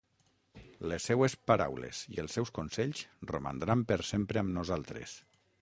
Les seues paraules i els seus consells romandran per sempre amb nosaltres.